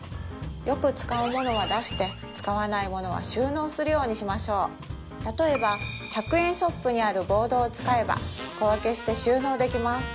よく使う物は出して使わない物は収納するようにしましょうたとえば１００円ショップにあるボードを使えば小分けして収納できます